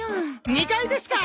２階ですか！